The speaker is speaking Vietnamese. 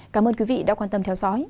cảm ơn quý vị đã quan tâm theo dõi